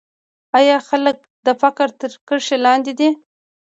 آیا خلک د فقر تر کرښې لاندې دي؟